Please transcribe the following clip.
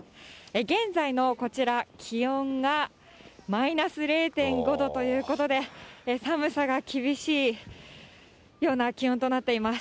現在のこちら気温がマイナス０．５度ということで、寒さが厳しいような気温となっています。